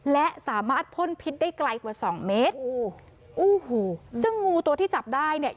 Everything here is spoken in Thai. และสามารถพ่นพิษได้ไกลกว่าสองเมตรโอ้โหโอ้โหซึ่งงูตัวที่จับได้เนี่ย